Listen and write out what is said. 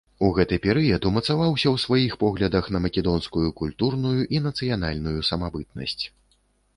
У гэты перыяд умацаваўся ў сваіх поглядах на македонскую культурную і нацыянальную самабытнасць.